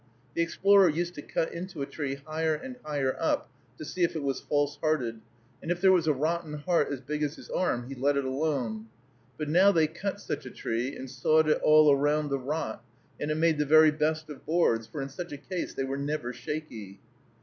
The explorer used to cut into a tree higher and higher up, to see if it was false hearted, and if there was a rotten heart as big as his arm, he let it alone; but now they cut such a tree and sawed it all around the rot, and it made the very best of boards, for in such a case they were never shaky.